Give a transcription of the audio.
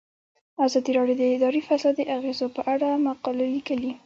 ازادي راډیو د اداري فساد د اغیزو په اړه مقالو لیکلي.